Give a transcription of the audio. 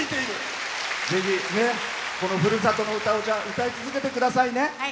ぜひ、ふるさとの歌を歌い続けてくださいね。